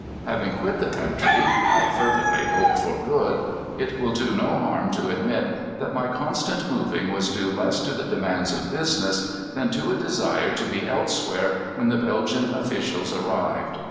Having quit the country I fervently hope for good it will do no harm to admit that my constant moving was due less to the demands of business than to a desire to be elsewhere when the Belgian officials arrived.